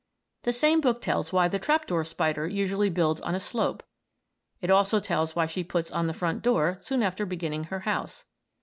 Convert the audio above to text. The same book tells why the trap door spider usually builds on a slope. It also tells why she puts on the front door soon after beginning her house.